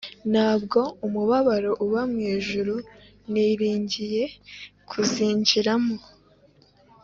Ntabwo umubabaro uba mu ijuru ni ringiye kuzi njiramo